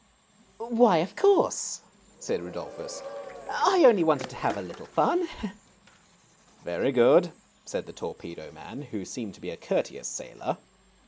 " Why, of course," said Rudolphus. " I only wanted to have a little fun." "Very good," said the torpedo man, who seemed to be a courteous sailor.